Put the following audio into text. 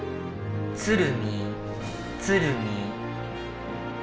「鶴見鶴見」。